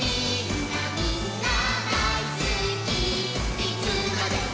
「いつまでも」